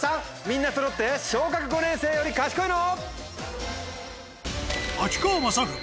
みんなそろって小学５年生より賢いの？